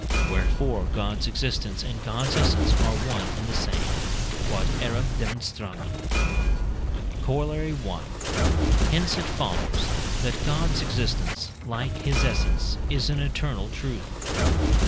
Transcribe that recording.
Wherefore God's existence and God's essence are one and the same. Q.E.D. Coroll. I. Hence it follows that God's existence, like his essence, is an eternal truth.